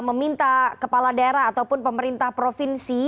meminta kepala daerah ataupun pemerintah provinsi